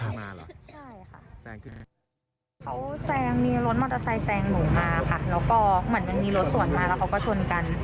เขาแซงมีรถมอเตอร์ไซค์แซงหนูมาค่ะแล้วก็เหมือนมันมีรถสวนมาแล้วเขาก็ชนกัน